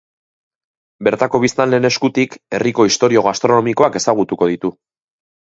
Bertako biztanleen eskutik, herriko istorio gastronomikoak ezagutuko ditu.